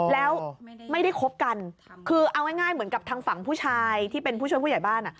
แล้วไม่ได้คบกันคือเอาง่ายเหมือนกับทางฝั่งผู้ชายที่เป็นผู้ช่วยผู้ใหญ่บ้าน